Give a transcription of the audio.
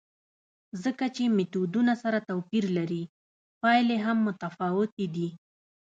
ځکه چې میتودونه سره توپیر لري، پایلې هم متفاوتې دي.